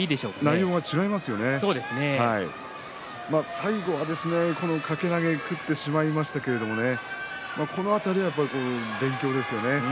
最後、掛け投げを食ってしまいましたけどこの辺りは勉強ですね。